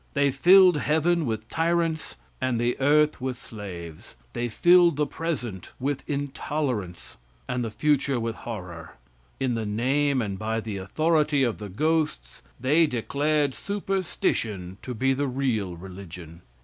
They filled heaven with tyrants and the earth with slaves. They filled the present with intolerance and the future with horror. In the name and by the authority of the ghosts, they declared superstition to be the real religion.